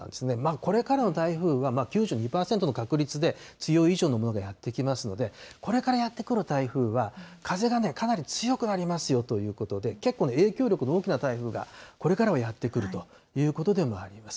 これからの台風は９２％の確率で強い以上のものがやって来ますので、これからやって来る台風は風がかなり強くなりますよということで、結構、影響力の大きな台風がこれからはやって来るということでもあります。